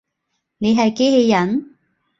你係機器人？